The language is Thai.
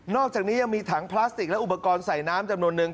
อกจากนี้ยังมีถังพลาสติกและอุปกรณ์ใส่น้ำจำนวนนึง